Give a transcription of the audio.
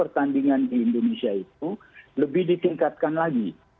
pertandingan di indonesia itu lebih ditingkatkan lagi